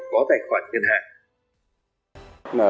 có tài khoản ngân hàng